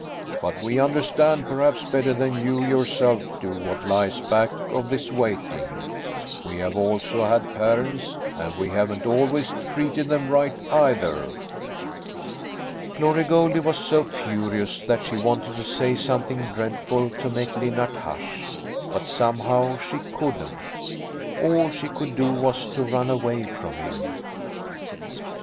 But we understand perhaps better than you yourself do what lies back of this waiting. We have also had parents and we haven't always treated them right, either." Glory Goldie was so furious that she wanted to say something dreadful to make Linnart hush, but somehow she couldn't. All she could do was to run away from him.